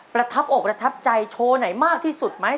ประทับอกประทับใจโชว์ไหนมากที่สุดไหม